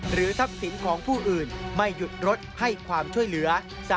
ทรัพย์สินของผู้อื่นไม่หยุดรถให้ความช่วยเหลือ